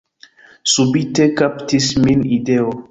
Subite kaptis min ideo.